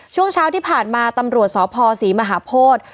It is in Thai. ช่วงเช้าที่ผ่านมาตำรวจสพศรีมหาโพธิ